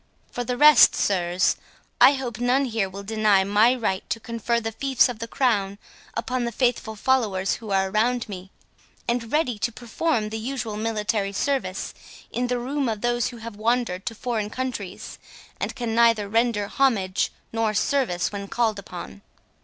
For the rest, sirs, I hope none here will deny my right to confer the fiefs of the crown upon the faithful followers who are around me, and ready to perform the usual military service, in the room of those who have wandered to foreign Countries, and can neither render homage nor service when called upon."